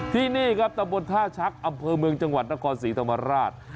ที่นี่ครับตำบลท่าชักอำเภอเมืองจังหวัดนครศรีธรรมราช